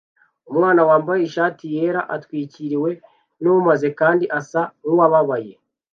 Umwana wambaye ishati yera atwikiriwe mumazi kandi asa nkuwababaye